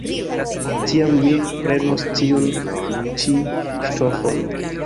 Tiam mi prenos tiun ĉi ŝtofon.